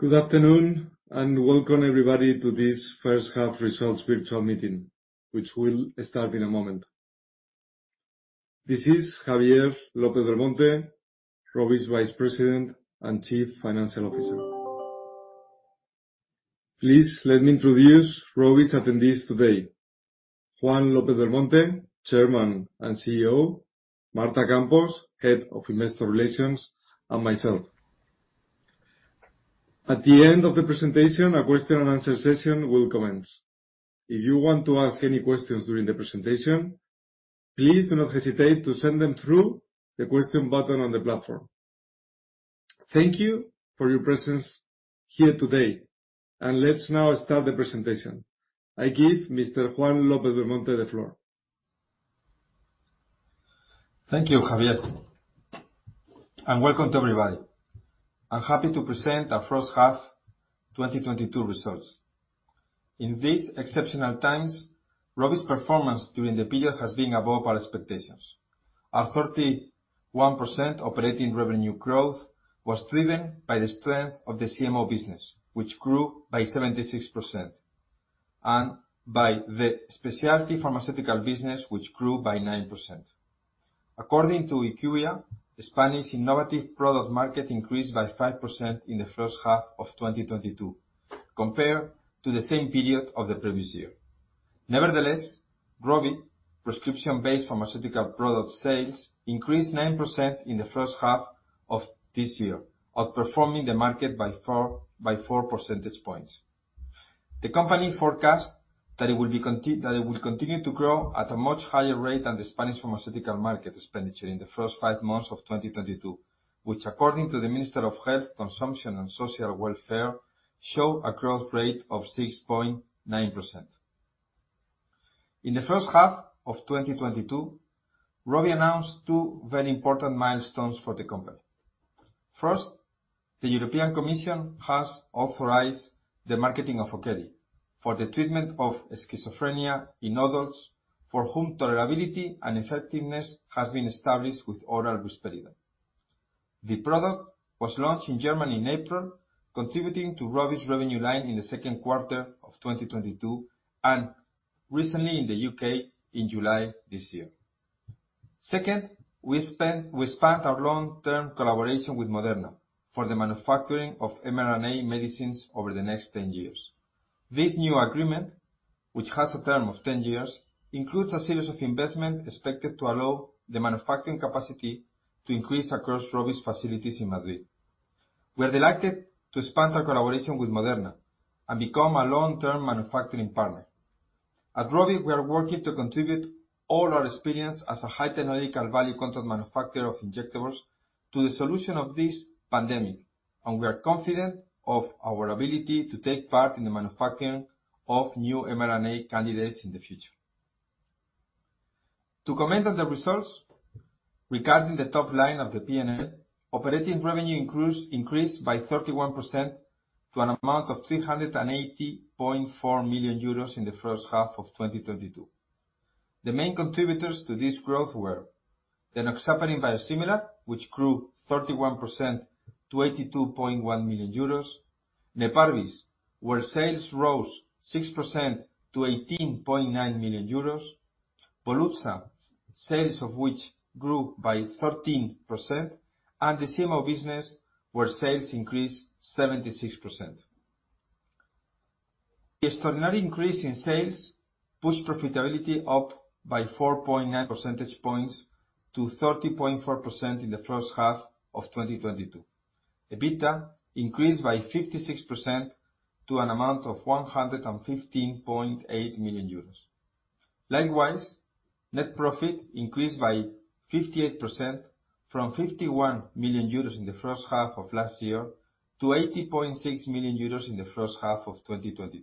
Good afternoon, and welcome everybody to this first half results virtual meeting, which will start in a moment. This is Javier López-Belmonte, ROVI's Vice President and Chief Financial Officer. Please let me introduce ROVI's attendees today. Juan López-Belmonte, Chairman and CEO, Marta Campos, Head of Investor Relations, and myself. At the end of the presentation, a question and answer session will commence. If you want to ask any questions during the presentation, please do not hesitate to send them through the question button on the platform. Thank you for your presence here today, and let's now start the presentation. I give Mr. Juan López-Belmonte the floor. Thank you, Javier. Welcome to everybody. I'm happy to present our first half 2022 results. In these exceptional times, ROVI's performance during the period has been above our expectations. Our 31% operating revenue growth was driven by the strength of the CMO business, which grew by 76%, and by the specialty pharmaceutical business, which grew by 9%. According to IQVIA, Spanish innovative product market increased by 5% in the first half of 2022 compared to the same period of the previous year. Nevertheless, ROVI prescription-based pharmaceutical product sales increased 9% in the first half of this year, outperforming the market by four percentage points. The company forecasts that it will continue to grow at a much higher rate than the Spanish pharmaceutical market expenditure in the first 5 months of 2022, which according to the Ministry of Health, Consumer Affairs and Social Welfare, show a growth rate of 6.9%. In the first half of 2022, ROVI announced two very important milestones for the company. First, the European Commission has authorized the marketing of Okedi for the treatment of schizophrenia in adults for whom tolerability and effectiveness has been established with oral risperidone. The product was launched in Germany in April, contributing to ROVI's revenue line in the second quarter of 2022, and recently in the U.K. in July this year. Second, we expand our long-term collaboration with Moderna for the manufacturing of mRNA medicines over the next 10 years. This new agreement, which has a term of 10 years, includes a series of investment expected to allow the manufacturing capacity to increase across ROVI's facilities in Madrid. We are delighted to expand our collaboration with Moderna and become a long-term manufacturing partner. At ROVI, we are working to contribute all our experience as a high technological value contract manufacturer of injectables to the solution of this pandemic, and we are confident of our ability to take part in the manufacturing of new mRNA candidates in the future. To comment on the results, regarding the top line of the P&L, operating revenue increased by 31% to an amount of 380.4 million euros in the first half of 2022. The main contributors to this growth were enoxaparin biosimilar, which grew 31% to 82.1 million euros; Neparvis, where sales rose 6% to 18.9 million euros; Volutsa, sales of which grew by 13%, and the CMO business, where sales increased 76%. Extraordinary increase in sales pushed profitability up by 4.9 percentage points to 30.4% in the first half of 2022. EBITDA increased by 56% to an amount of 115.8 million euros. Likewise, net profit increased by 58% from 51 million euros in the first half of last year to 80.6 million euros in the first half of 2022.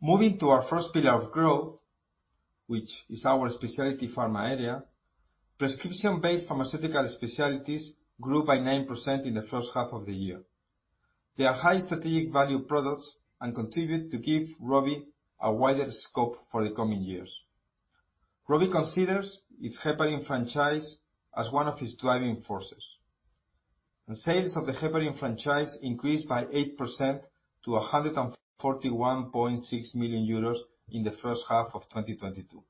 Moving to our first pillar of growth, which is our specialty pharma area, prescription-based pharmaceutical specialties grew by 9% in the first half of the year. They are high strategic value products and contribute to give ROVI a wider scope for the coming years. ROVI considers its heparin franchise as one of its driving forces. Sales of the heparin franchise increased by 8% to 141.6 million euros in the first half of 2022.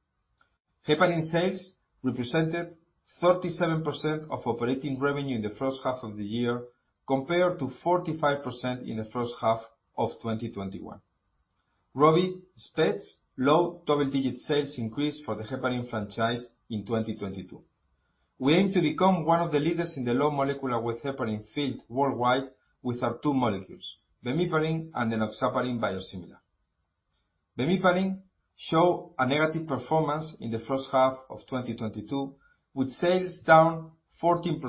Heparin sales represented 37% of operating revenue in the first half of the year, compared to 45% in the first half of 2021. ROVI expects low double-digit sales increase for the heparin franchise in 2022. We aim to become one of the leaders in the low-molecular-weight heparin field worldwide with our two molecules, bemiparin and enoxaparin biosimilar. Bemiparin show a negative performance in the first half of 2022, with sales down 14%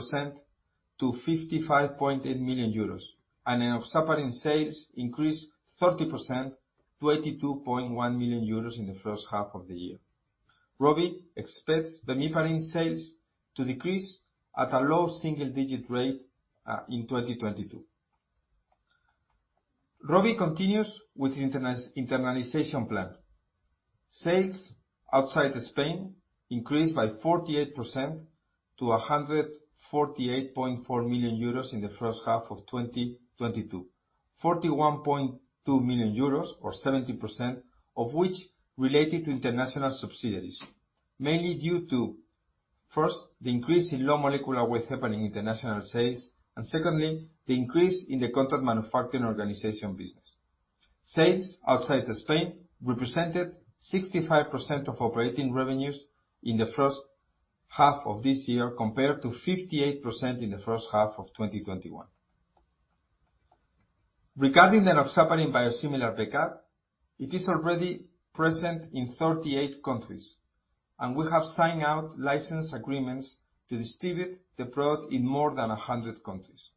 to 55.8 million euros. Enoxaparin sales increased 30% to 82.1 million euros in the first half of the year. ROVI expects bemiparin sales to decrease at a low single digit rate in 2022. ROVI continues with internal internationalization plan. Sales outside Spain increased by 48% to 148.4 million euros in the first half of 2022. 41.2 million euros or 17% of which related to international subsidiaries, mainly due to, first, the increase in low-molecular-weight heparin international sales, and secondly, the increase in the contract manufacturing organization business. Sales outside Spain represented 65% of operating revenues in the first half of this year, compared to 58% in the first half of 2021. Regarding the enoxaparin biosimilar Becat, it is already present in 38 countries, and we have signed out license agreements to distribute the product in more than 100 countries.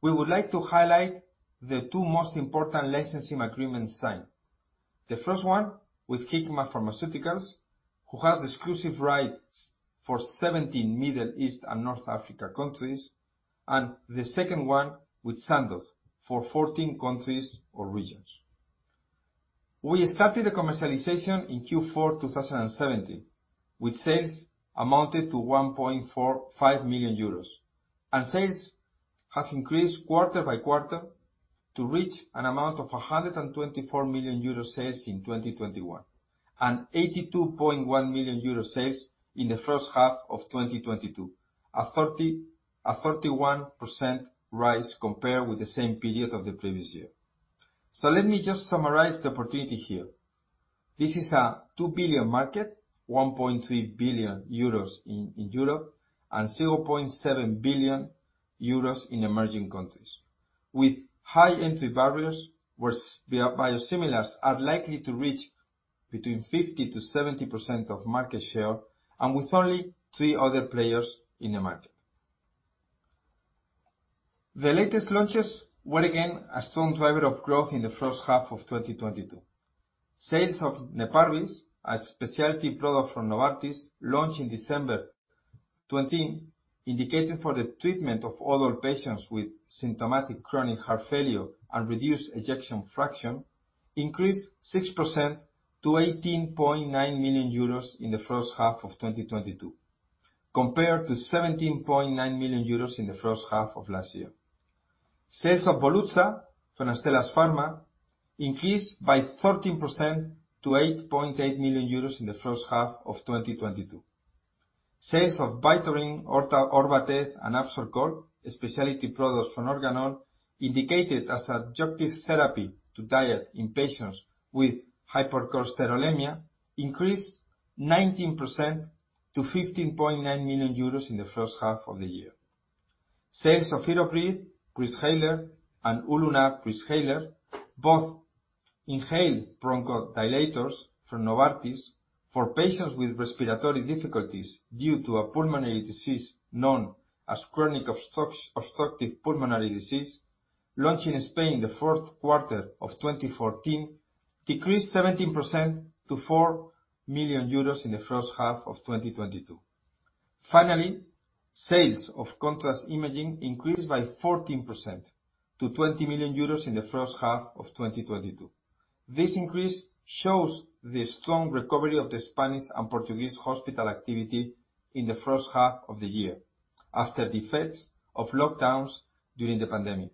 We would like to highlight the two most important licensing agreements signed. The first one with Hikma Pharmaceuticals, who has exclusive rights for 17 Middle East and North Africa countries, and the second one with Sandoz for 14 countries or regions. We started the commercialization in Q4 2017, with sales amounted to 1.45 million euros. Sales have increased quarter by quarter to reach an amount of 124 million euro sales in 2021, and 82.1 million euro sales in the first half of 2022. A 31% rise compared with the same period of the previous year. Let me just summarize the opportunity here. This is a 2 billion market, 1.3 billion euros in Europe, and 0.7 billion euros in emerging countries. With high entry barriers where biosimilars are likely to reach between 50%-70% of market share and with only three other players in the market. The latest launches were again a strong driver of growth in the first half of 2022. Sales of Neparvis, a specialty product from Novartis, launched in December 2020, indicated for the treatment of older patients with symptomatic chronic heart failure and reduced ejection fraction, increased 6% to 18.9 million euros in the first half of 2022, compared to 17.9 million euros in the first half of last year. Sales of Volutsa from Astellas Pharma increased by 13% to 8.8 million euros in the first half of 2022. Sales of Vytorin, Orta, Orvate and Absorcor, specialty products from Organon, indicated as adjunctive therapy to diet in patients with hypercholesterolemia, increased 19% to 15.9 million euros in the first half of the year. Sales of Onbrez, Seebri Breezhaler and Ultibro Breezhaler, both inhaled bronchodilators from Novartis for patients with respiratory difficulties due to a pulmonary disease known as chronic obstructive pulmonary disease, launched in Spain in the fourth quarter of 2014, decreased 17% to 4 million euros in the first half of 2022. Finally, sales of contrast imaging increased by 14% to 20 million euros in the first half of 2022. This increase shows the strong recovery of the Spanish and Portuguese hospital activity in the first half of the year, after the effects of lockdowns during the pandemic.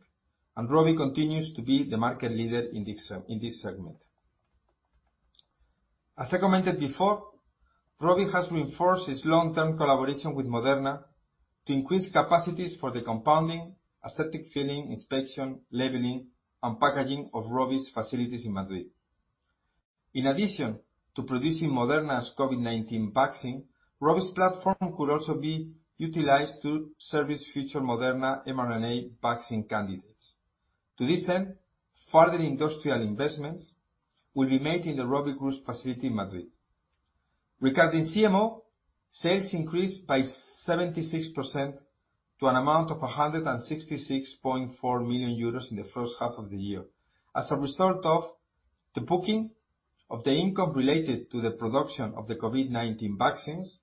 ROVI continues to be the market leader in this segment. As I commented before, ROVI has reinforced its long-term collaboration with Moderna to increase capacities for the compounding, aseptic filling, inspection, labeling and packaging of ROVI's facilities in Madrid. In addition to producing Moderna's COVID-19 vaccine, ROVI's platform could also be utilized to service future Moderna mRNA vaccine candidates. To this end, further industrial investments will be made in the ROVI group's facility in Madrid. Regarding CMO, sales increased by 76% to an amount of 166.4 million euros in the first half of the year. As a result of the booking of the income related to the production of the COVID-19 vaccines,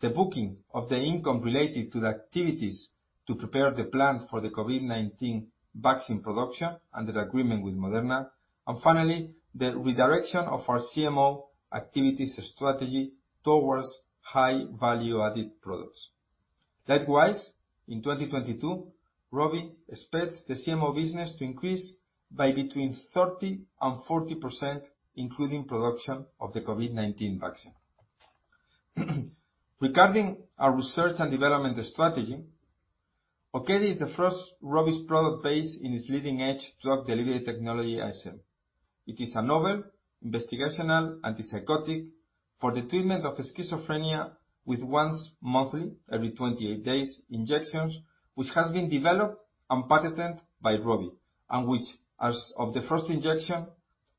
the booking of the income related to the activities to prepare the plant for the COVID-19 vaccine production under the agreement with Moderna, and finally, the redirection of our CMO activities strategy towards high value-added products. Likewise, in 2022, ROVI expects the CMO business to increase by between 30% and 40%, including production of the COVID-19 vaccine. Regarding our research and development strategy, Okedi is the first ROVI's product based on its leading edge drug delivery technology, ISM. It is a novel investigational antipsychotic for the treatment of schizophrenia with once monthly, every 28 days, injections, which has been developed and patented by ROVI, and which, as of the first injection,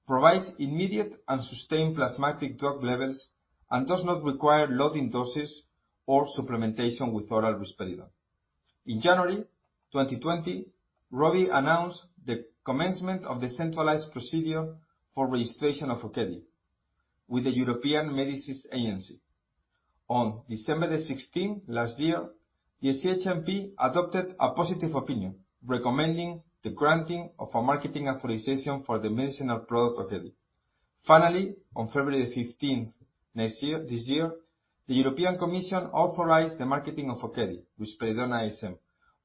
provides immediate and sustained plasma drug levels and does not require loading doses or supplementation with oral risperidone. In January 2020, ROVI announced the commencement of the centralized procedure for registration of Okedi with the European Medicines Agency. On December 16 last year, the CHMP adopted a positive opinion recommending the granting of a marketing authorization for the medicinal product Okedi. Finally, on February 15 this year, the European Commission authorized the marketing of Okedi, Risperidone ISM,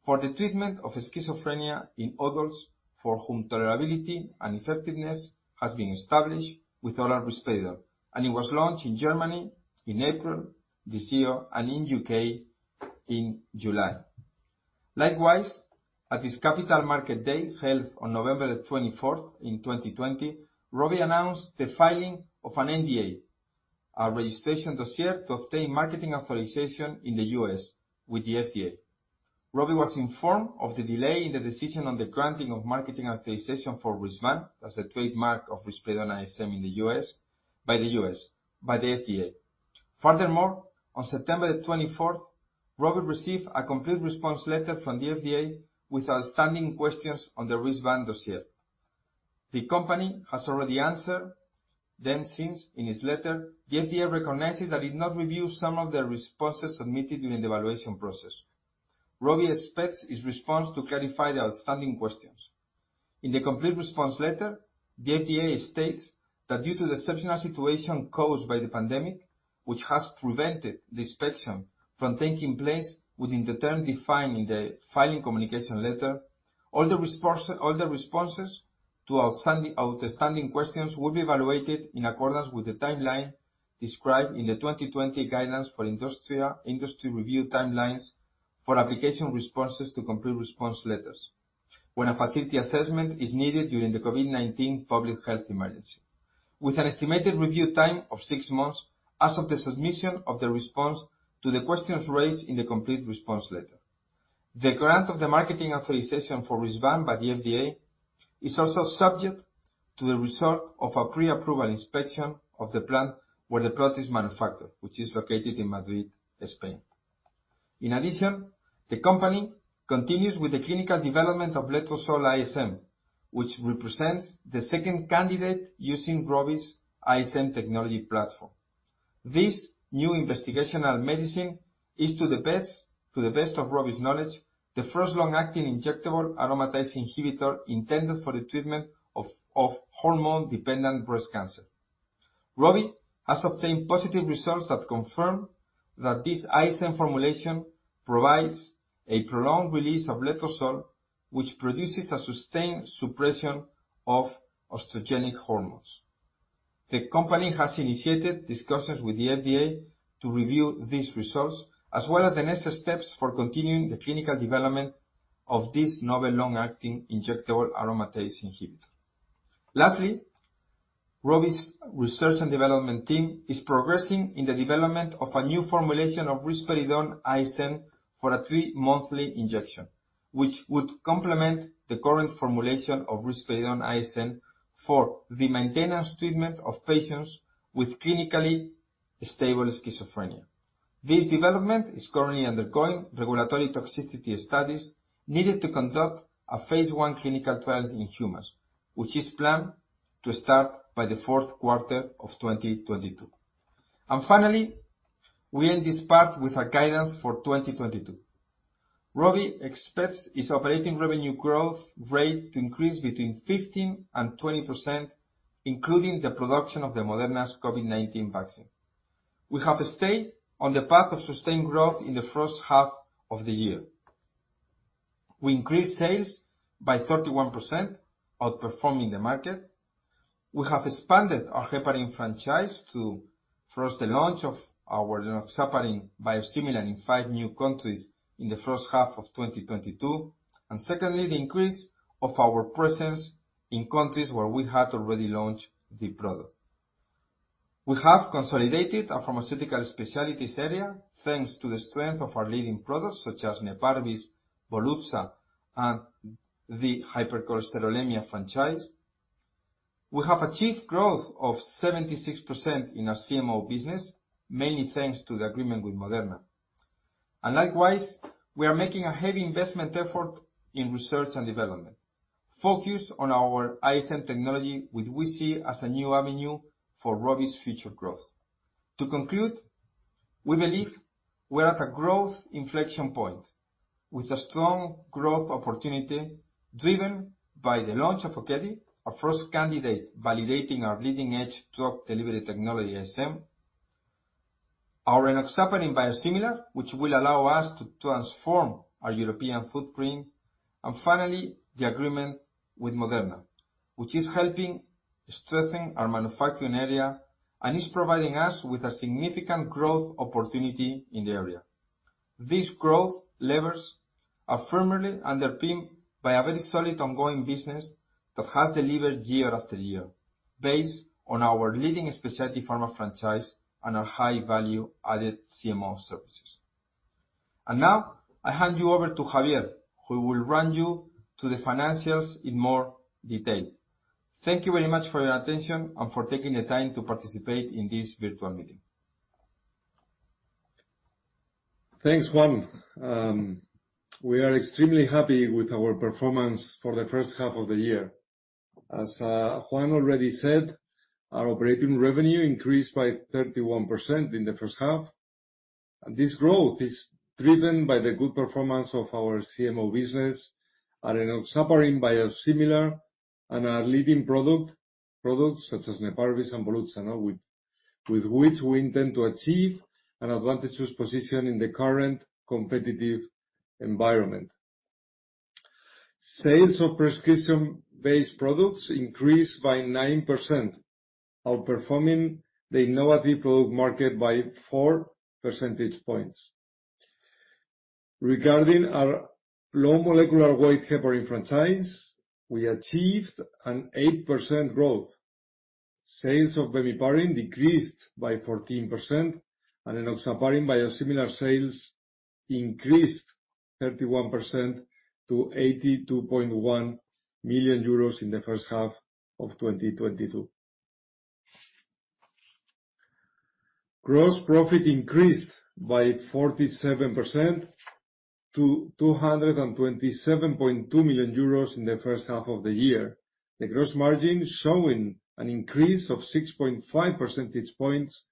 for the treatment of schizophrenia in adults for whom tolerability and effectiveness has been established with oral risperidone. It was launched in Germany in April this year and in U.K. in July. Likewise, at this Capital Markets Day, held on November 24, 2020, ROVI announced the filing of an NDA, a registration dossier to obtain marketing authorization in the U.S. with the FDA. ROVI was informed of the delay in the decision on the granting of marketing authorization for Risvan, that's a trademark of Risperidone ISM in the U.S., by the U.S., by the FDA. Furthermore, on September the twenty-fourth, ROVI received a complete response letter from the FDA with outstanding questions on the Risvan dossier. The company has already answered them since. In its letter, the FDA recognizes that it did not review some of the responses submitted during the evaluation process. ROVI expects its response to clarify the outstanding questions. In the complete response letter, the FDA states that due to the exceptional situation caused by the pandemic, which has prevented the inspection from taking place within the term defined in the filing communication letter, all the responses to outstanding questions will be evaluated in accordance with the timeline described in the 2020 guidelines for industry review timelines for application responses to complete response letters when a facility assessment is needed during the COVID-19 public health emergency, with an estimated review time of six months as of the submission of the response to the questions raised in the complete response letter. The grant of the Marketing Authorization for Risvan by the FDA is also subject to the result of a pre-approval inspection of the plant where the product is manufactured, which is located in Madrid, Spain. In addition, the company continues with the clinical development of letrozole ISM, which represents the second candidate using ROVI's ISM technology platform. This new investigational medicine is, to the best of ROVI's knowledge, the first long-acting injectable aromatase inhibitor intended for the treatment of hormone-dependent breast cancer. ROVI has obtained positive results that confirm that this ISM formulation provides a prolonged release of letrozole, which produces a sustained suppression of estrogenic hormones. The company has initiated discussions with the FDA to review these results, as well as the next steps for continuing the clinical development of this novel long-acting injectable aromatase inhibitor. Lastly, ROVI's research and development team is progressing in the development of a new formulation of Risperidone ISM for a three-monthly injection, which would complement the current formulation of Risperidone ISM for the maintenance treatment of patients with clinically stable schizophrenia. This development is currently undergoing regulatory toxicity studies needed to conduct a phase 1 clinical trials in humans, which is planned to start by the fourth quarter of 2022. Finally, we end this part with our guidance for 2022. ROVI expects its operating revenue growth rate to increase between 15% and 20%, including the production of the Moderna's COVID-19 vaccine. We have stayed on the path of sustained growth in the first half of the year. We increased sales by 31%, outperforming the market. We have expanded our heparin franchise to, first, the launch of our enoxaparin biosimilar in 5 new countries in the first half of 2022. Secondly, the increase of our presence in countries where we had already launched the product. We have consolidated our pharmaceutical specialties area, thanks to the strength of our leading products such as Neparvis, Voluza, and the hypercholesterolemia franchise. We have achieved growth of 76% in our CMO business, mainly thanks to the agreement with Moderna. Likewise, we are making a heavy investment effort in research and development, focused on our ISM technology, which we see as a new avenue for ROVI's future growth. To conclude, we believe we are at a growth inflection point, with a strong growth opportunity driven by the launch of Okedi, our first candidate validating our leading-edge drug delivery technology, ISM, our enoxaparin biosimilar, which will allow us to transform our European footprint, and finally, the agreement with Moderna, which is helping strengthen our manufacturing area and is providing us with a significant growth opportunity in the area. These growth levers are firmly underpinned by a very solid ongoing business that has delivered year after year based on our leading specialty pharma franchise and our high-value added CMO services. Now I hand you over to Javier, who will run you through the financials in more detail. Thank you very much for your attention and for taking the time to participate in this virtual meeting. Thanks, Juan. We are extremely happy with our performance for the first half of the year. As Juan already said, our operating revenue increased by 31% in the first half. This growth is driven by the good performance of our CMO business, enoxaparin biosimilar and our leading products such as Neparvis and Volutsa, with which we intend to achieve an advantageous position in the current competitive environment. Sales of prescription-based products increased by 9%, outperforming the innovative product market by four percentage points. Regarding our low-molecular-weight heparin franchise, we achieved an 8% growth. Sales of bemiparin decreased by 14% and enoxaparin biosimilar sales increased 31% to 82.1 million euros in the first half of 2022. Gross profit increased by 47% to 227.2 million euros in the first half of the year. The gross margin showing an increase of 6.5 percentage points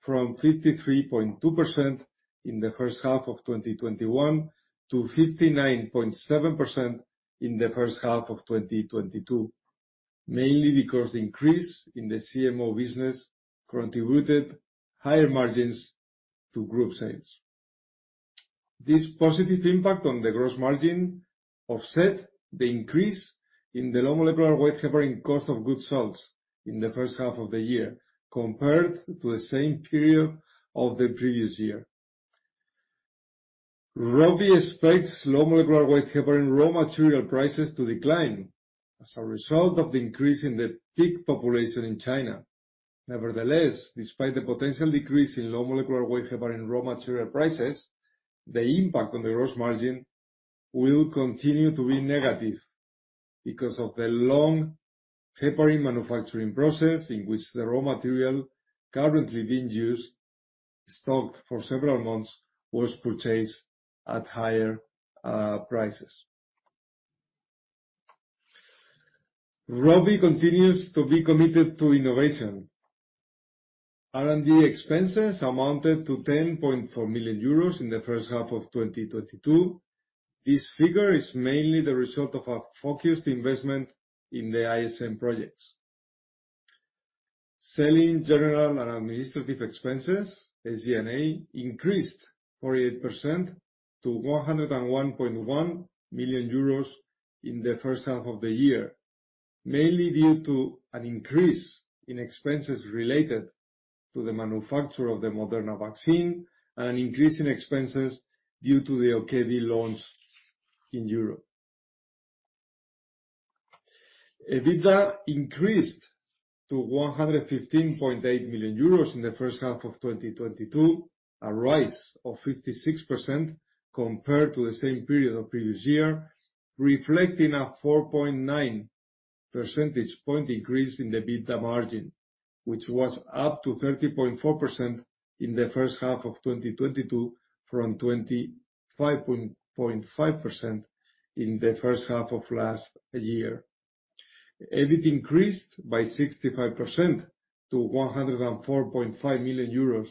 from 53.2% in the first half of 2021 to 59.7% in the first half of 2022. Mainly because the increase in the CMO business contributed higher margins to group sales. This positive impact on the gross margin offset the increase in the low-molecular-weight heparin cost of goods sold in the first half of the year compared to the same period of the previous year. ROVI expects low-molecular-weight heparin raw material prices to decline as a result of the increase in the pig population in China. Nevertheless, despite the potential decrease in low-molecular-weight heparin raw material prices, the impact on the gross margin will continue to be negative because of the long heparin manufacturing process in which the raw material currently being used, stocked for several months, was purchased at higher prices. ROVI continues to be committed to innovation. R&D expenses amounted to 10.4 million euros in the first half of 2022. This figure is mainly the result of a focused investment in the ISM projects. Selling, general, and administrative expenses, SG&A, increased 48% to 101.1 million euros in the first half of the year. Mainly due to an increase in expenses related to the manufacture of the Moderna vaccine and an increase in expenses due to the LKD launch in Europe. EBITDA increased to 115.8 million euros in the first half of 2022. A rise of 56% compared to the same period of previous year, reflecting a 4.9 percentage point increase in the EBITDA margin, which was up to 30.4% in the first half of 2022 from 25.5% in the first half of last year. EBIT increased by 65% to 104.5 million euros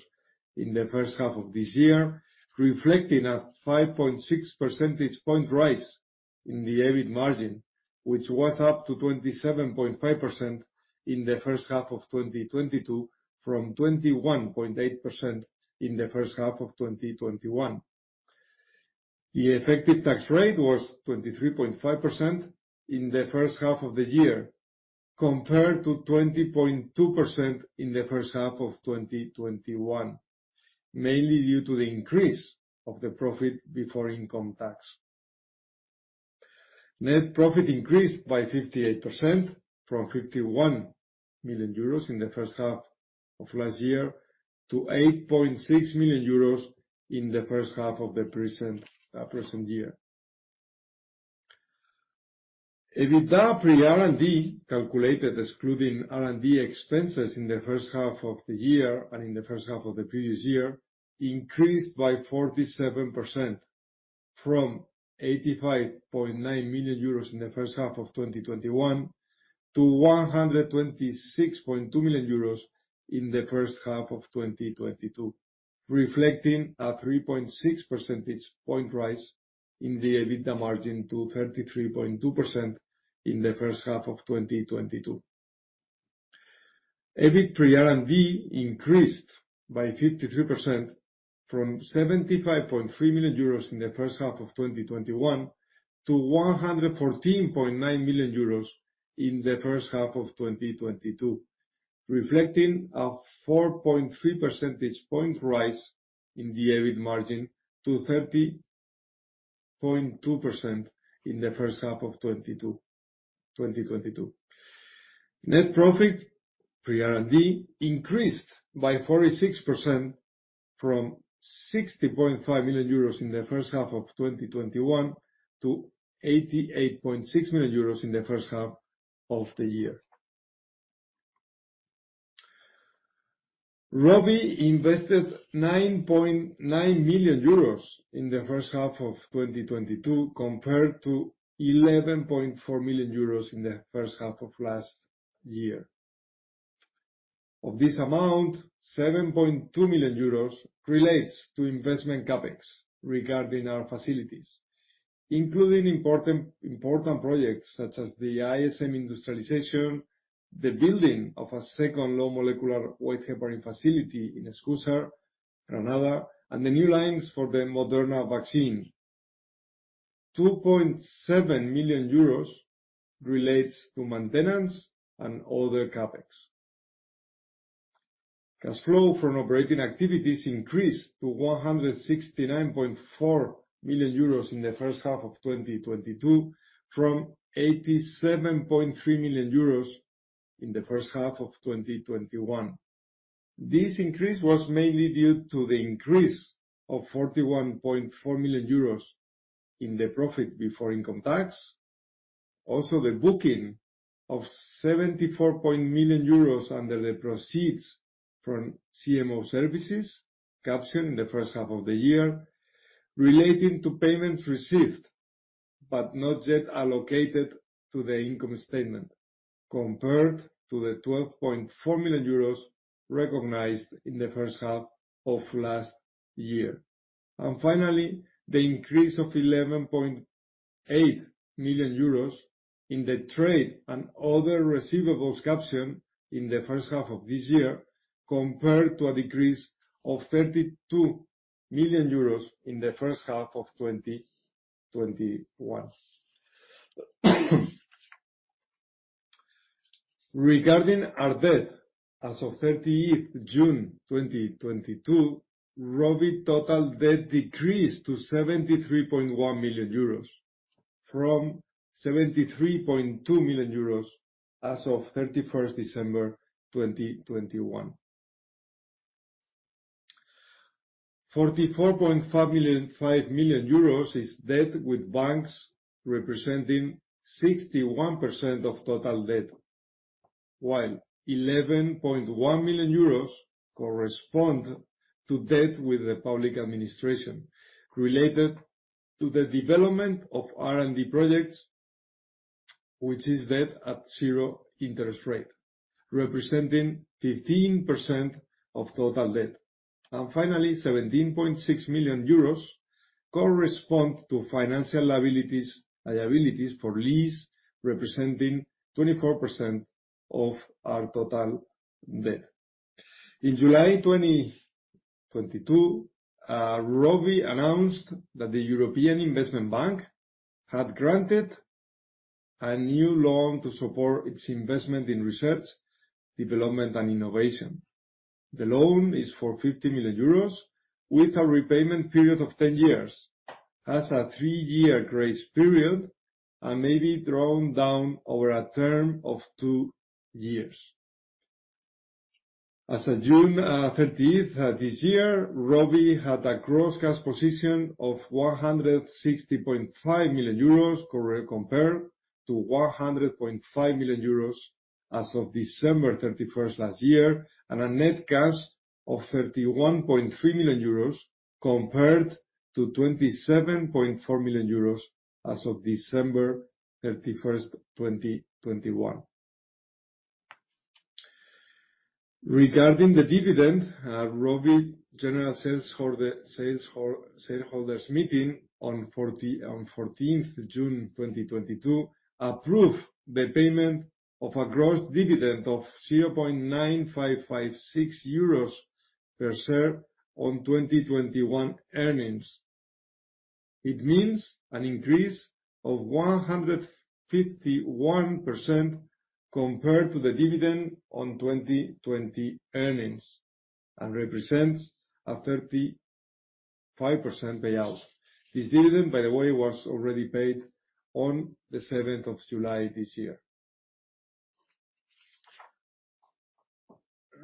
in the first half of this year, reflecting a 5.6 percentage point rise in the EBIT margin, which was up to 27.5% in the first half of 2022 from 21.8% in the first half of 2021. The effective tax rate was 23.5% in the first half of the year, compared to 20.2% in the first half of 2021, mainly due to the increase of the profit before income tax. Net profit increased by 58% from 51 million euros in the first half of last year to 8.6 million euros in the first half of the present year. EBITDA pre R&D, calculated excluding R&D expenses in the first half of the year and in the first half of the previous year, increased by 47% from 85.9 million euros in the first half of 2021 to 126.2 million euros in the first half of 2022. Reflecting a 3.6 percentage point rise in the EBITDA margin to 33.2% in the first half of 2022. EBIT pre R&D increased by 53% from 75.3 million euros in the first half of 2021 to 114.9 million euros in the first half of 2022. Reflecting a 4.3 percentage point rise in the EBIT margin to 30.2% in the first half of 2022. Net profit pre R&D increased by 46% from 60.5 million euros in the first half of 2021 to 88.6 million euros in the first half of the year. ROVI invested 9.9 million euros in the first half of 2022 compared to 11.4 million euros in the first half of last year. Of this amount, 7.2 million euros relates to investment CapEx regarding our facilities, including important projects such as the ISM industrialization, the building of a second low-molecular-weight heparin facility in Escúzar, Granada, and the new lines for the Moderna vaccine. 2.7 million euros relates to maintenance and other CapEx. Cash flow from operating activities increased to 169.4 million euros in the first half of 2022, from 87.3 million euros in the first half of 2021. This increase was mainly due to the increase of 41.4 million euros in the profit before income tax. Also, the booking of 74 million euros under the proceeds from CMO services captured in the first half of the year relating to payments received, but not yet allocated to the income statement compared to the 12.4 million euros recognized in the first half of last year. Finally, the increase of 11.8 million euros in the trade and other receivables captured in the first half of this year, compared to a decrease of 32 million euros in the first half of 2021. Regarding our debt, as of 30th June 2022, ROVI total debt decreased to 73.1 million euros from 73.2 million euros as of 31st December 2021. 44.5 million is debt with banks representing 61% of total debt. While 11.1 million euros correspond to debt with the public administration related to the development of R&D projects, which is debt at zero interest rate, representing 15% of total debt. Finally, 17.6 million euros correspond to financial liabilities for lease, representing 24% of our total debt. In July 2022, ROVI announced that the European Investment Bank had granted a new loan to support its investment in research, development, and innovation. The loan is for 50 million euros with a repayment period of 10 years, has a three-year grace period, and may be drawn down over a term of 2 years. As of June 13th this year, ROVI had a gross cash position of 160.5 million euros compared to 100.5 million euros as of December 31st last year, and a net cash of 31.3 million euros compared to 27.4 million euros as of December 31st, 2021. Regarding the dividend, ROVI general shareholders meeting on 14th June 2022 approved the payment of a gross dividend of 0.9556 euros per share on 2021 earnings. It means an increase of 151% compared to the dividend on 2020 earnings and represents a 35% payout. This dividend, by the way, was already paid on the 7th of July this year.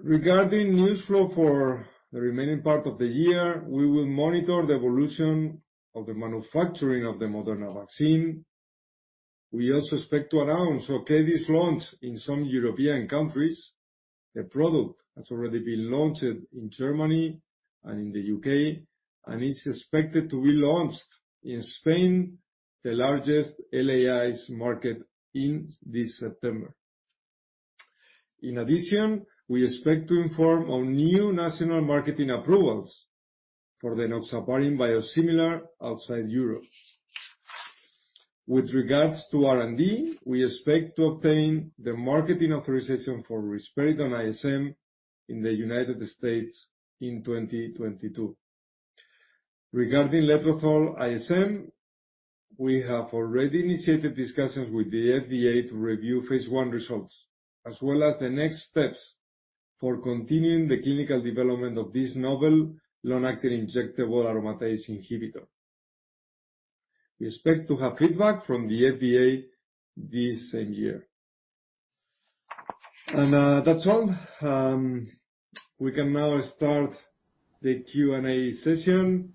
Regarding news flow for the remaining part of the year, we will monitor the evolution of the manufacturing of the Moderna vaccine. We also expect to announce Okedi launch in some European countries. The product has already been launched in Germany and in the U.K., and it's expected to be launched in Spain, the largest LAI market, in this September. In addition, we expect to inform on new national marketing approvals for the enoxaparin biosimilar outside Europe. With regards to R&D, we expect to obtain the marketing authorization for Risperidone ISM in the United States in 2022. Regarding Letrozole ISM, we have already initiated discussions with the FDA to review phase one results, as well as the next steps for continuing the clinical development of this novel long-acting injectable aromatase inhibitor. We expect to have feedback from the FDA this same year. That's all. We can now start the Q&A session.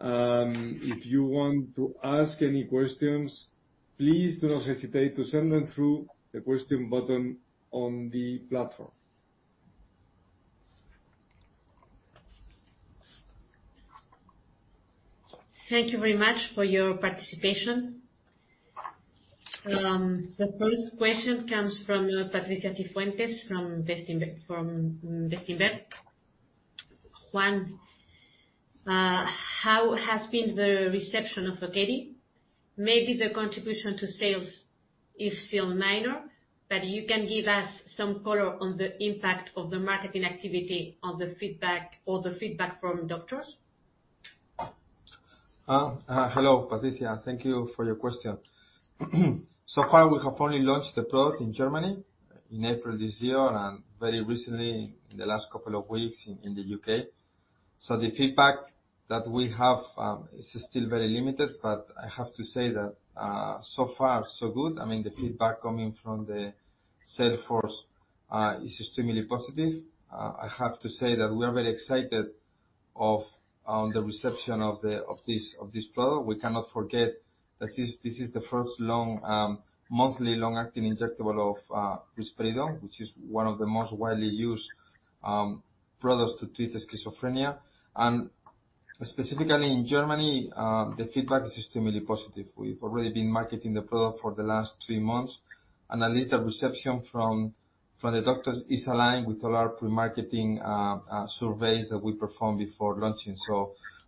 If you want to ask any questions, please do not hesitate to send them through the question button on the platform. Thank you very much for your participation. The first question comes from Patricia Cifuentes from Bestinver. Juan, how has been the reception of Okedi? Maybe the contribution to sales is still minor, but you can give us some color on the impact of the marketing activity on the feedback from doctors. Hello, Patricia. Thank you for your question. So far we have only launched the product in Germany in April this year and very recently, in the last couple of weeks, in the UK. So the feedback that we have is still very limited, but I have to say that so far, so good. I mean, the feedback coming from the sales force is extremely positive. I have to say that we are very excited of the reception of this product. We cannot forget that this is the first long monthly long-acting injectable of risperidone, which is one of the most widely used products to treat schizophrenia. Specifically in Germany, the feedback is extremely positive. We've already been marketing the product for the last three months. At least the reception from the doctors is aligned with all our pre-marketing surveys that we performed before launching.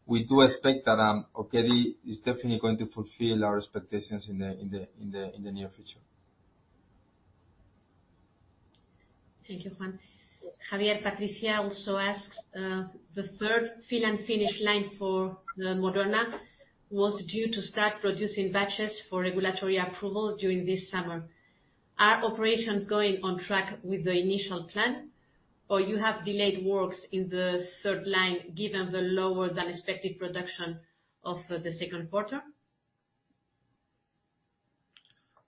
We do expect that Okedi is definitely going to fulfill our expectations in the near future. Thank you, Juan. Javier, Patricia also asks, the third fill and finish line for the Moderna was due to start producing batches for regulatory approval during this summer. Are operations going on track with the initial plan, or you have delayed works in the third line given the lower than expected production of the second quarter?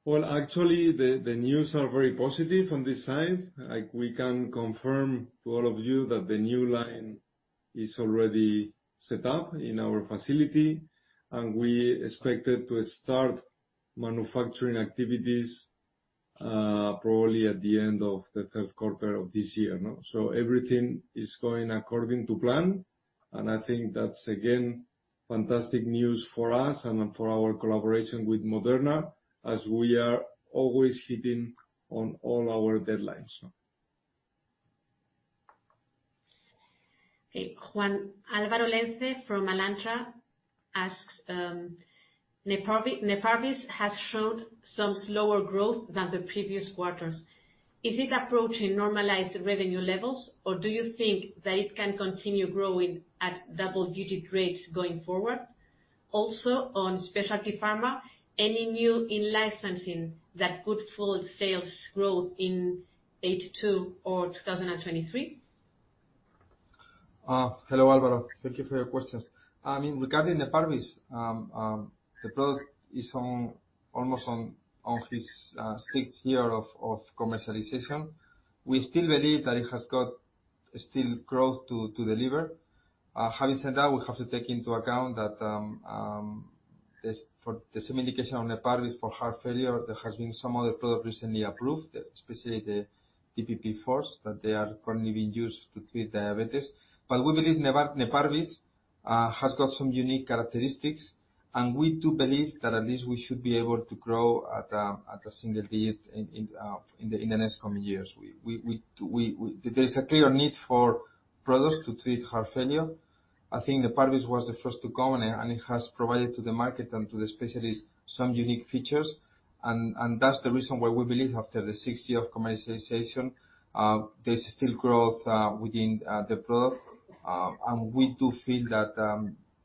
Well, actually, the news are very positive on this side. Like, we can confirm to all of you that the new line is already set up in our facility, and we expected to start manufacturing activities, probably at the end of the third quarter of this year, no? Everything is going according to plan, and I think that's, again, fantastic news for us and for our collaboration with Moderna, as we are always hitting on all our deadlines. Okay. Juan, Álvaro Lenze from Alantra asks, Neparvis has shown some slower growth than the previous quarters. Is it approaching normalized revenue levels, or do you think that it can continue growing at double-digit rates going forward? Also, on specialty pharma, any new in-licensing that could fuel sales growth in 2022 or 2023? Hello, Álvaro. Thank you for your questions. Regarding Neparvis, the product is almost on its sixth year of commercialization. We still believe that it has got still growth to deliver. Having said that, we have to take into account that this, for the same indication of Neparvis for heart failure, there has been some other product recently approved, especially the DPP-4s, that they are currently being used to treat diabetes. We believe Neparvis has got some unique characteristics, and we do believe that at least we should be able to grow at a single digit in the next coming years. There's a clear need for products to treat heart failure. I think Neparvis was the first to come, and it has provided to the market and to the specialists some unique features. That's the reason why we believe after the sixth year of commercialization, there's still growth within the product. We do feel that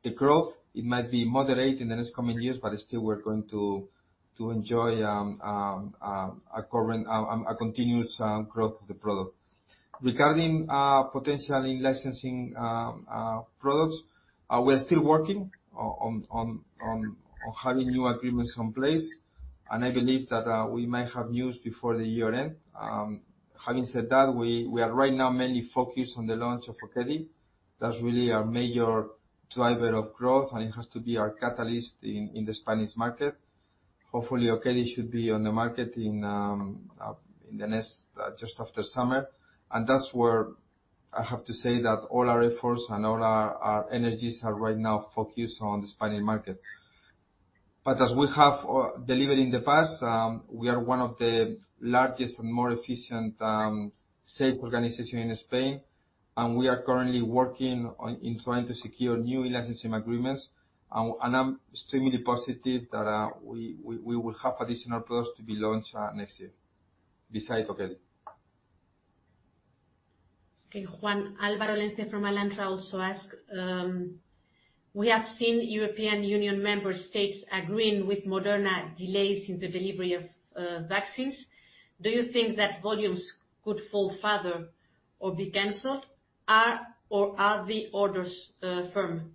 the growth it might be moderate in the next coming years, but still we're going to enjoy a continuous growth of the product. Regarding potentially licensing products, we're still working on having new agreements in place, and I believe that we might have news before the year end. Having said that, we are right now mainly focused on the launch of Okedi. That's really our major driver of growth, and it has to be our catalyst in the Spanish market. Hopefully, Okedi should be on the market in the next just after summer. That's where I have to say that all our efforts and all our energies are right now focused on the Spanish market. As we have delivered in the past, we are one of the largest and more efficient sales organization in Spain, and we are currently working on trying to secure new licensing agreements. I'm extremely positive that we will have additional products to be launched next year besides Okedi. Okay. Juan, Álvaro Lenze from Alantra also ask, we have seen European Union member states agreeing with Moderna's delays in the delivery of vaccines. Do you think that volumes could fall further or be canceled? Are the orders firm?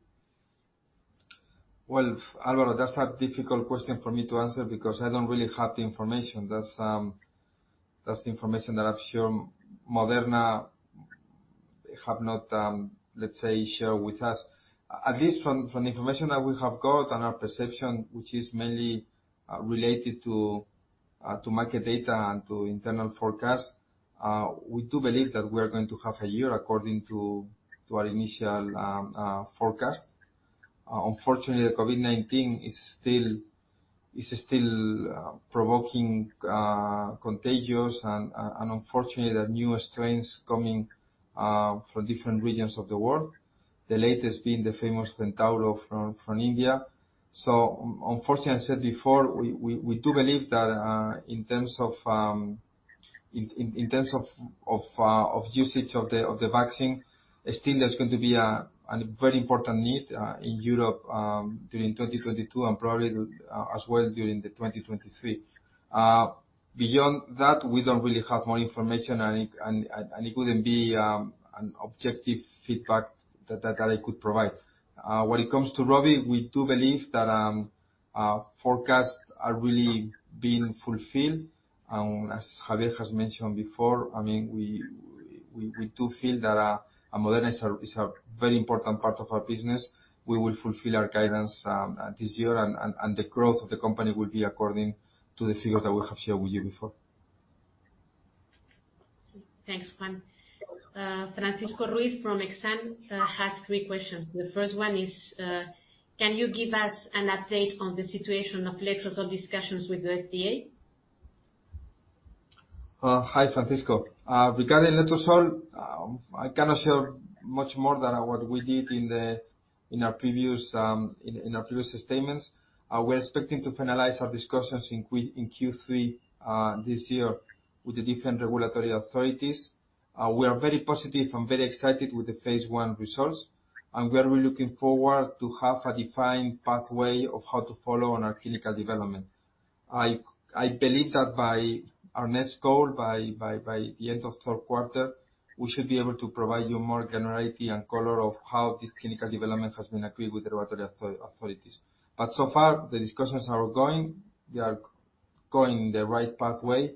Well, Álvaro, that's a difficult question for me to answer because I don't really have the information. That's the information that I've shown. Moderna have not, let's say, shared with us. At least from the information that we have got and our perception, which is mainly related to market data and to internal forecasts, we do believe that we are going to have a year according to our initial forecast. Unfortunately, the COVID-19 is still provoking contagions, and unfortunately, the newer strains coming from different regions of the world, the latest being the famous Centaurus from India. Unfortunately, I said before, we do believe that in terms of usage of the vaccine, still there's going to be a very important need in Europe during 2022 and probably as well during the 2023. Beyond that, we don't really have more information and it wouldn't be an objective feedback that I could provide. When it comes to ROVI, we do believe that forecasts are really being fulfilled. As Javier has mentioned before, I mean, we do feel that Moderna is a very important part of our business. We will fulfill our guidance, this year, and the growth of the company will be according to the figures that we have shared with you before. Thanks, Juan. Francisco Ruiz from Exane has three questions. The first one is, can you give us an update on the situation of Letrozole discussions with the FDA? Hi, Francisco. Regarding Letrozole, I cannot share much more than what we did in our previous statements. We're expecting to finalize our discussions in Q3 this year with the different regulatory authorities. We are very positive and very excited with the phase one results, and we are really looking forward to have a defined pathway of how to follow on our clinical development. I believe that by our next call, by the end of third quarter, we should be able to provide you more granularity and color of how this clinical development has been agreed with the regulatory authorities. So far, the discussions are going. They are going in the right pathway,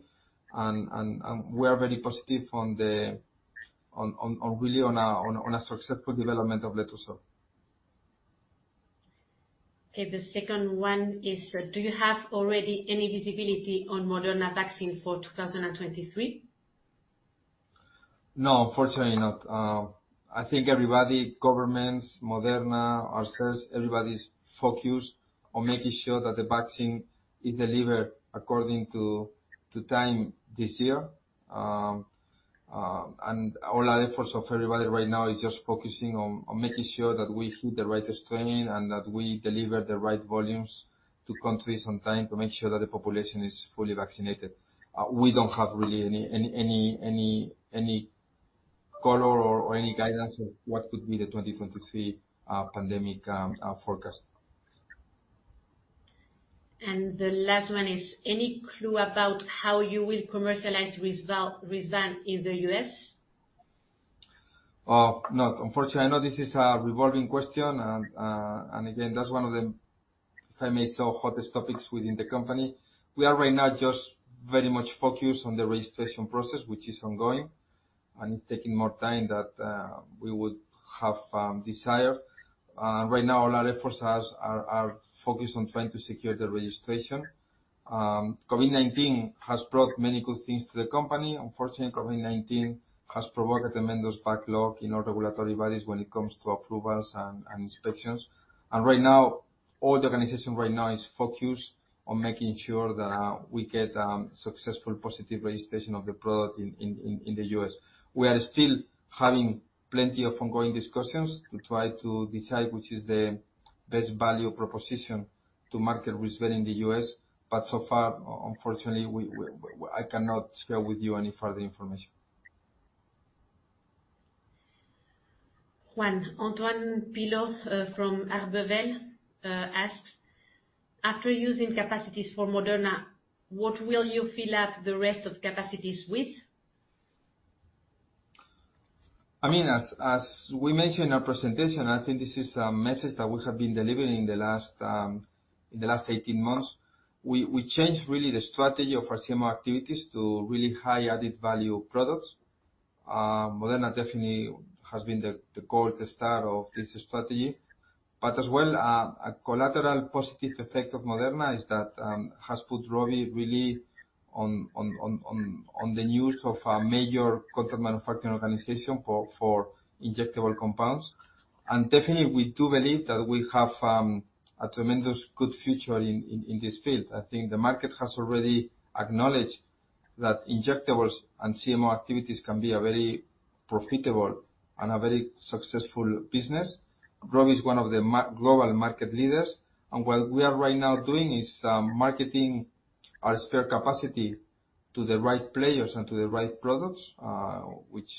and we are very positive on the. Really on a successful development of Letrozole. Okay. The second one is, do you have already any visibility on Moderna vaccine for 2023? No, unfortunately not. I think everybody, governments, Moderna, ourselves, everybody's focused on making sure that the vaccine is delivered according to time this year. All our efforts of everybody right now is just focusing on making sure that we hit the right strain and that we deliver the right volumes to countries on time to make sure that the population is fully vaccinated. We don't have really any color or any guidance on what could be the 2023 pandemic forecast. The last one is, any clue about how you will commercialize Risvan in the U.S.? No. Unfortunately, I know this is a recurring question and again, that's one of the, if I may say, hottest topics within the company. We are right now just very much focused on the registration process, which is ongoing, and it's taking more time than we would have desired. Right now all our efforts are focused on trying to secure the registration. COVID-19 has brought many good things to the company. Unfortunately, COVID-19 has provoked a tremendous backlog in all regulatory bodies when it comes to approvals and inspections. Right now, all the organization is focused on making sure that we get successful positive registration of the product in the U.S. We are still having plenty of ongoing discussions to try to decide which is the best value proposition to market Risvan in the U.S. So far, unfortunately, I cannot share with you any further information. Juan, Antoine Pilo from Arbevel asks, after using capacities for Moderna, what will you fill up the rest of capacities with? I mean, as we mentioned in our presentation, I think this is a message that we have been delivering in the last 18 months. We changed really the strategy of our CMO activities to really high added value products. Moderna definitely has been the golden star of this strategy. As well, a collateral positive effect of Moderna is that has put ROVI really on the news of a major contract manufacturing organization for injectable compounds. Definitely, we do believe that we have a tremendously good future in this field. I think the market has already acknowledged that injectables and CMO activities can be a very profitable and a very successful business. ROVI is one of the major global market leaders, and what we are right now doing is marketing our spare capacity to the right players and to the right products, which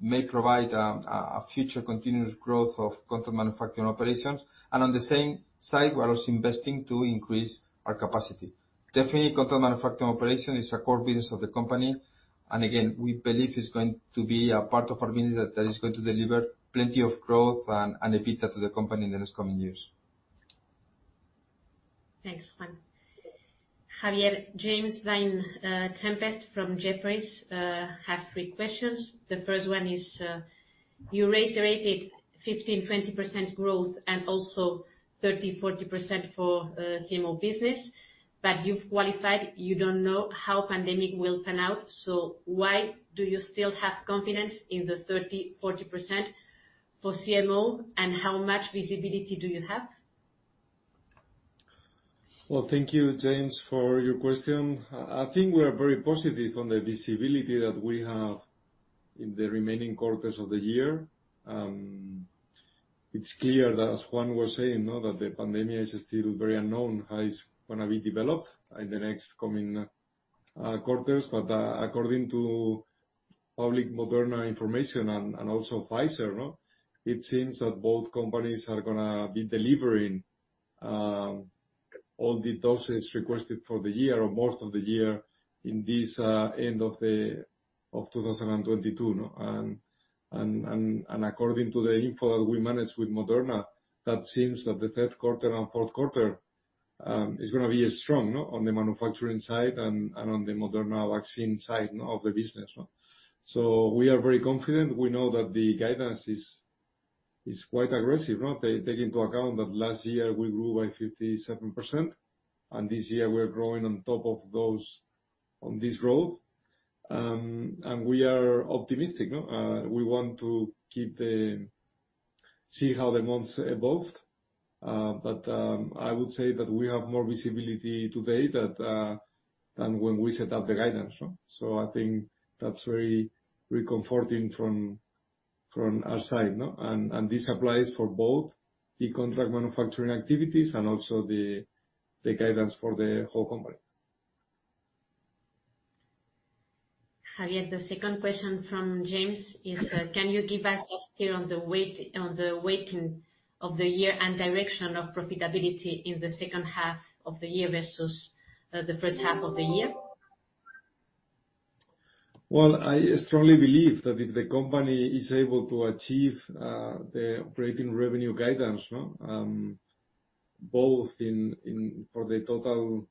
may provide a future continuous growth of contract manufacturing operations. On the same side, we're also investing to increase our capacity. Definitely, contract manufacturing operation is a core business of the company. Again, we believe it's going to be a part of our business that is going to deliver plenty of growth and EBITDA to the company in the next coming years. Thanks, Juan. Javier, James Vane-Tempest from Jefferies has three questions. The first one is, you reiterated 15%-20% growth and also 30%-40% for CMO business, but you've qualified, you don't know how pandemic will pan out, so why do you still have confidence in the 30%-40% for CMO, and how much visibility do you have? Well, thank you, James, for your question. I think we are very positive on the visibility that we have in the remaining quarters of the year. It's clear that, as Juan was saying, you know, that the pandemic is still very unknown how it's gonna be developed in the next coming quarters. According to public Moderna information and also Pfizer, no, it seems that both companies are gonna be delivering all the doses requested for the year or most of the year in this end of 2022, no. According to the info that we managed with Moderna, that seems that the third quarter and fourth quarter is gonna be strong, no, on the manufacturing side and on the Moderna vaccine side, no, of the business, no. We are very confident. We know that the guidance is quite aggressive, no? Take into account that last year we grew by 57%, and this year we are growing on top of those, on this growth. We are optimistic, no. We want to see how the months evolve, but I would say that we have more visibility today than when we set up the guidance, no. I think that's very reassuring from our side, no. This applies for both the contract manufacturing activities and also the guidance for the whole company. Javier, the second question from James is, can you give us a steer on the weight, on the weighting of the year and direction of profitability in the second half of the year versus, the first half of the year? Well, I strongly believe that if the company is able to achieve the operating revenue guidance both in for the total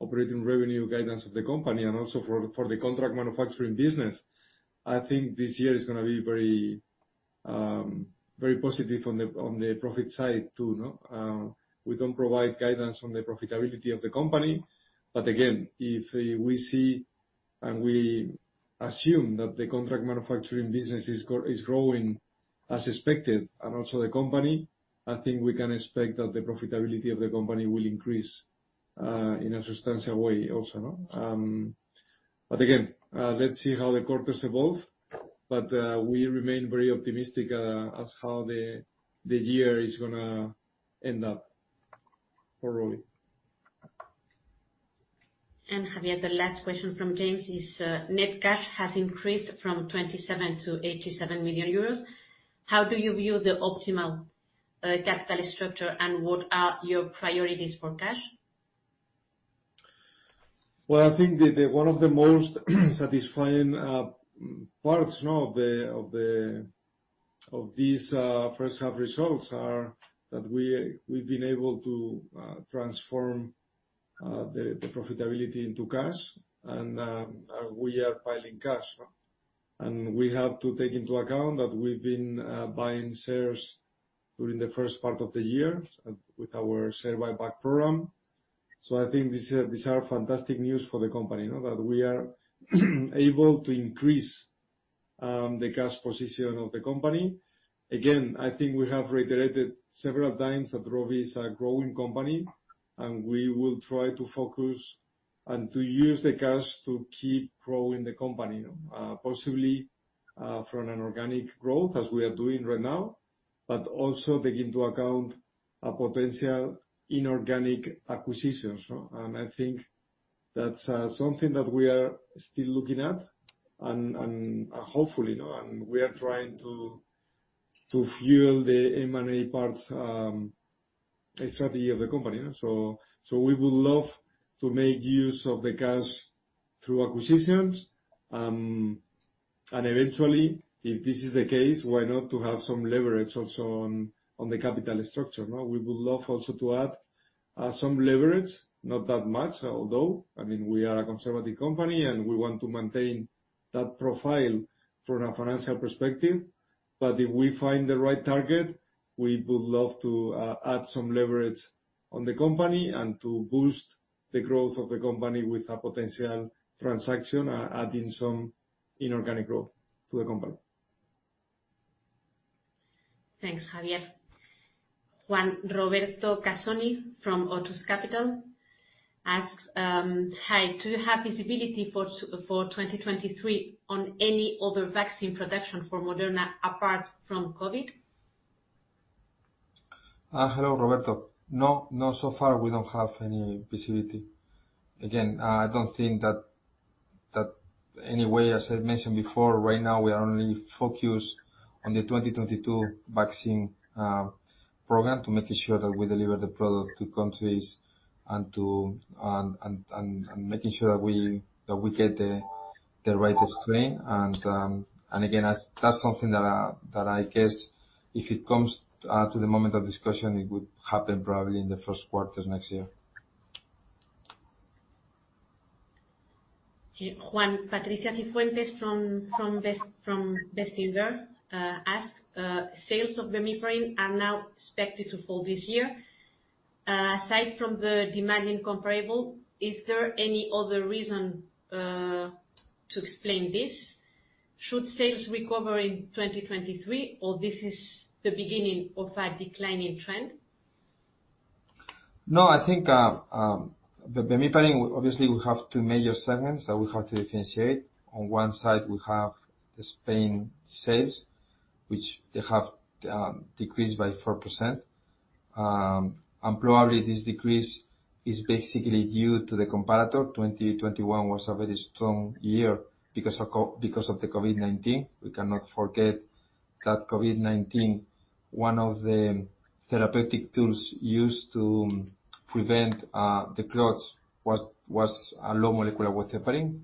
operating revenue guidance of the company and also for the contract manufacturing business, I think this year is gonna be very positive on the profit side, too. We don't provide guidance on the profitability of the company, but again, if we see and we assume that the contract manufacturing business is growing as expected and also the company, I think we can expect that the profitability of the company will increase in a substantial way also. Again, let's see how the quarters evolve, but we remain very optimistic at how the year is gonna end up for ROVI. Javier, the last question from James is, net cash has increased from 27 million-87 million euros. How do you view the optimal capital structure, and what are your priorities for cash? Well, I think the one of the most satisfying parts, no, of these first half results are that we've been able to transform the profitability into cash and we are piling cash. We have to take into account that we've been buying shares during the first part of the year with our share buyback program. I think these are fantastic news for the company, no, that we are able to increase the cash position of the company. Again, I think we have reiterated several times that ROVI is a growing company, and we will try to focus and to use the cash to keep growing the company, possibly, from an organic growth, as we are doing right now, but also take into account a potential inorganic acquisitions, no. I think that's something that we are still looking at, and we are trying to fuel the M&A part strategy of the company. We would love to make use of the cash through acquisitions and eventually, if this is the case, why not to have some leverage also on the capital structure? We would love also to add some leverage, not that much, although. I mean, we are a conservative company, and we want to maintain that profile from a financial perspective. If we find the right target, we would love to add some leverage on the company and to boost the growth of the company with a potential transaction adding some inorganic growth to the company. Thanks, Javier. Roberto Casoni from Otus Capital asks. Hi, do you have visibility for 2023 on any other vaccine production for Moderna apart from COVID? Hello, Roberto. No, so far, we don't have any visibility. Again, I don't think that in any way, as I mentioned before, right now we are only focused on the 2022 vaccine program, making sure that we deliver the product to countries and making sure that we get the The right of stream. That's something that I guess if it comes to the moment of discussion, it would happen probably in the first quarter next year. Juan, Patricia Cifuentes from Bestinver asks, sales of bemiparin are now expected to fall this year. Aside from the demanding comparable, is there any other reason to explain this? Should sales recover in 2023, or this is the beginning of a declining trend? No, I think the bemiparin obviously will have two major segments that we have to differentiate. On one side we have the Spain sales, which they have decreased by 4%. Probably this decrease is basically due to the comparator. 2021 was a very strong year because of the COVID-19. We cannot forget that COVID-19, one of the therapeutic tools used to prevent the clots was a low-molecular-weight heparin.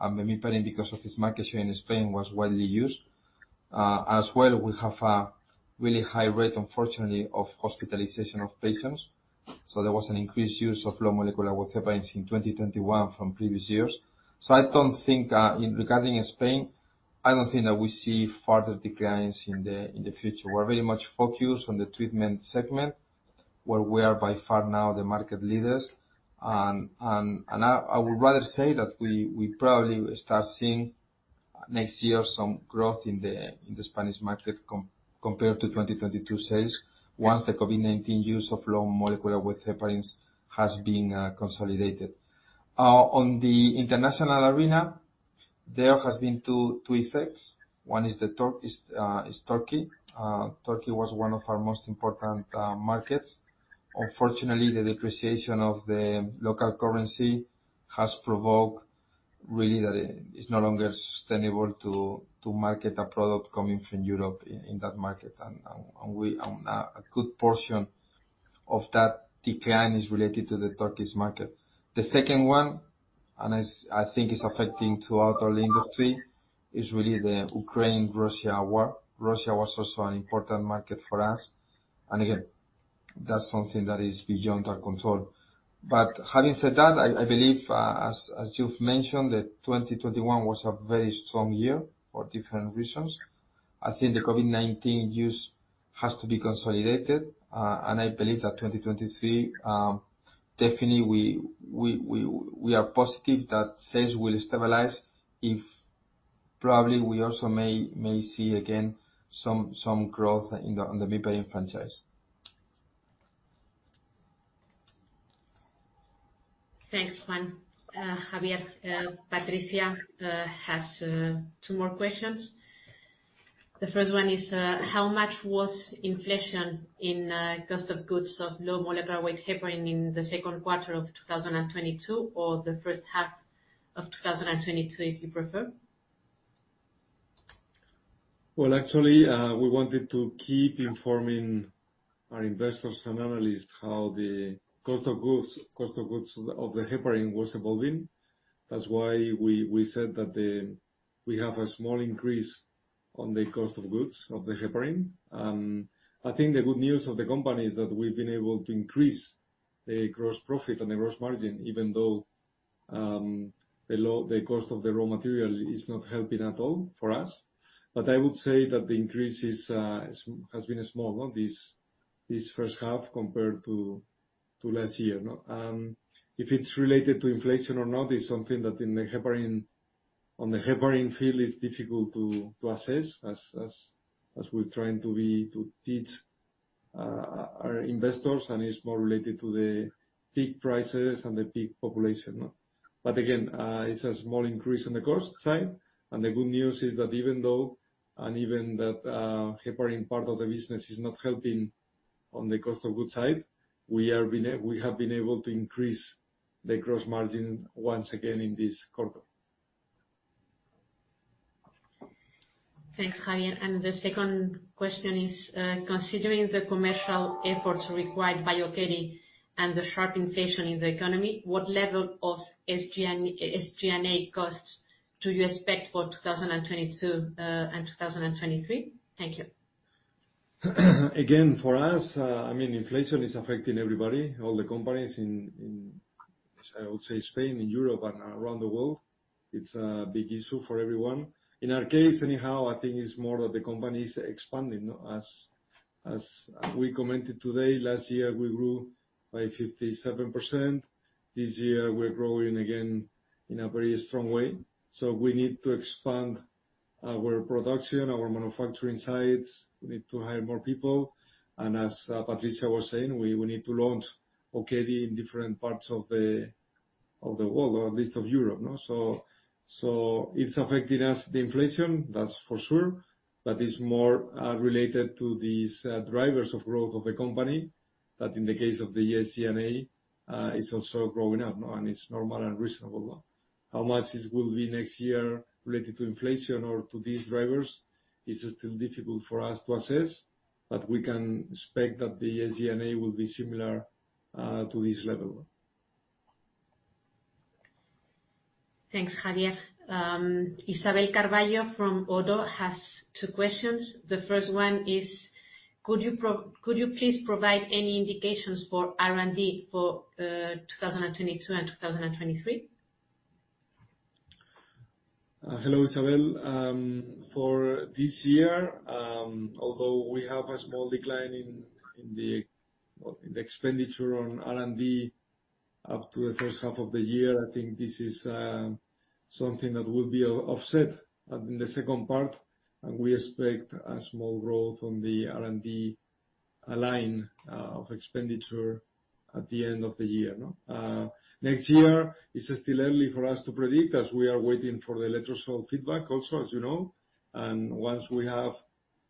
Bemiparin, because of its market share in Spain, was widely used. As well, we have a really high rate, unfortunately, of hospitalization of patients. There was an increased use of low-molecular-weight heparins in 2021 from previous years. I don't think in regarding Spain, I don't think that we see further declines in the future. We're very much focused on the treatment segment, where we are by far now the market leaders. I would rather say that we probably will start seeing next year some growth in the Spanish market compared to 2022 sales once the COVID-19 use of low-molecular-weight heparins has been consolidated. On the international arena, there has been two effects. One is Turkey. Turkey was one of our most important markets. Unfortunately, the depreciation of the local currency has provoked really that it's no longer sustainable to market a product coming from Europe in that market. A good portion of that decline is related to the Turkish market. The second one, and it's, I think it's affecting throughout our industry, is really the Ukraine-Russia war. Russia was also an important market for us. Again, that's something that is beyond our control. Having said that, I believe, as you've mentioned, that 2021 was a very strong year for different reasons. I think the COVID-19 use has to be consolidated. I believe that 2023, definitely we are positive that sales will stabilize if probably we also may see again some growth on the bemiparin franchise. Thanks, Juan. Javier, Patricia has two more questions. The first one is, how much was inflation in cost of goods of low-molecular-weight heparin in the second quarter of 2022 or the first half of 2022, if you prefer? Well, actually, we wanted to keep informing our investors and analysts how the cost of goods of the heparin was evolving. That's why we said that we have a small increase on the cost of goods of the heparin. I think the good news of the company is that we've been able to increase the gross profit and the gross margin, even though the cost of the raw material is not helping at all for us. I would say that the increase has been a small one this first half compared to last year, no? If it's related to inflation or not is something that in the heparin, on the heparin field is difficult to assess as we're trying to teach our investors and is more related to the peak prices and the peak population. Again, it's a small increase on the cost side. The good news is that even though that heparin part of the business is not helping on the cost of goods side, we have been able to increase the gross margin once again in this quarter. Thanks, Javier. The second question is, considering the commercial efforts required by Okedi and the sharp inflation in the economy, what level of SG&A costs do you expect for 2022 and 2023? Thank you. For us, I mean, inflation is affecting everybody, all the companies in, I would say Spain and Europe and around the world. It's a big issue for everyone. In our case, anyhow, I think it's more of the companies expanding, no, as we commented today. Last year we grew by 57%. This year we're growing again in a very strong way. We need to expand our production, our manufacturing sites. We need to hire more people. And as Patricia was saying, we need to launch Okedi in different parts of the world, or at least of Europe, no. It's affecting us, the inflation, that's for sure. But it's more related to these drivers of growth of the company, that in the case of the SG&A, it's also growing up, no, and it's normal and reasonable. How much it will be next year related to inflation or to these drivers is still difficult for us to assess, but we can expect that the SG&A will be similar. To this level. Thanks, Javier. Isabel Carballo from Oddo has two questions. The first one is: could you please provide any indications for R&D for 2022 and 2023? Hello, Isabel. For this year, although we have a small decline in the expenditure on R&D up to the first half of the year, I think this is something that will be offset in the second part, and we expect a small growth on the R&D line of expenditure at the end of the year, no? Next year, it's still early for us to predict, as we are waiting for the Letrozole feedback also, as you know. Once we have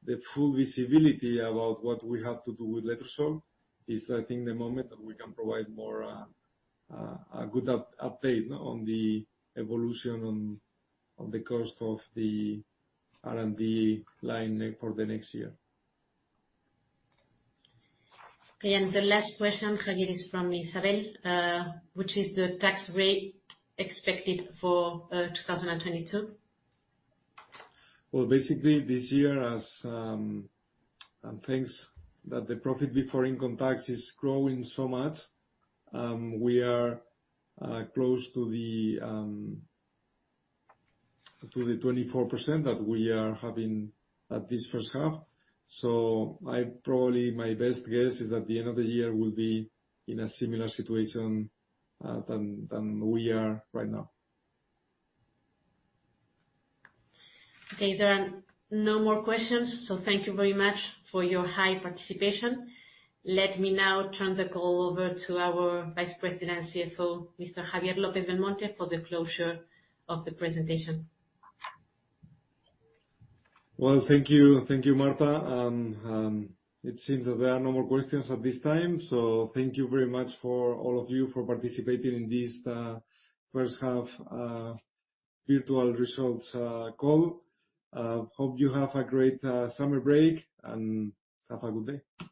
the full visibility about what we have to do with Letrozole, is, I think, the moment that we can provide more a good update on the evolution and on the cost of the R&D line for the next year. Okay. The last question, Javier, is from Isabel. Which is the tax rate expected for 2022? Well, basically this year as things that the profit before income tax is growing so much, we are close to the 24% that we are having at this first half. My best guess is at the end of the year we'll be in a similar situation to we are right now. Okay, there are no more questions, so thank you very much for your high participation. Let me now turn the call over to our Vice President and CFO, Mr. Javier López-Belmonte, for the closure of the presentation. Well, thank you. Thank you, Marta. It seems that there are no more questions at this time, so thank you very much for all of you for participating in this first half virtual results call. Hope you have a great summer break and have a good day.